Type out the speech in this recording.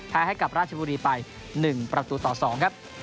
ให้กับราชบุรีไป๑ประตูต่อ๒ครับ